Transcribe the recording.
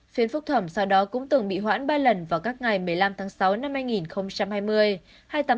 phiên phúc thẩm sau đó cũng từng bị hoãn ba lần vào các ngày một mươi năm tháng sáu năm hai nghìn hai mươi